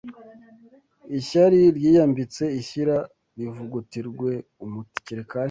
Ishyari ryiyambitse ishyira rivugutirwe umuti